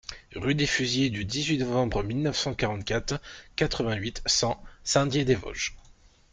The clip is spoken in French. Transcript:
Rue des Fusillés du dix-huit Novembre mille neuf cent quarante-quatre, quatre-vingt-huit, cent Saint-Dié-des-Vosges